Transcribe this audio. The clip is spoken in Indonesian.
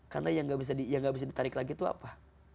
karena yang gak bisa ditarik lagi tuh apa